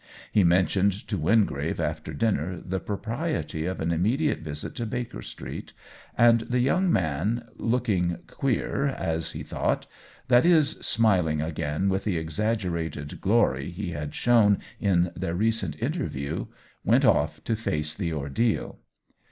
He mentioned to Wingrave after dinner the propriety of an immediate visit to Baker Street, and the OWEN WINGRAVE 171 young man, looking "queer," as he thought — that is, smiling again with the exaggerated glory he had shown in their recent inter view—went off to face the ordeal.